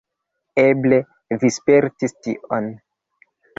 Eble vi spertis tion.